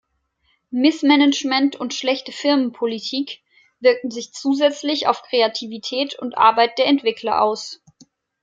Missmanagement und schlechte Firmenpolitik wirkten sich zusätzlich auf Kreativität und Arbeit der Entwickler aus.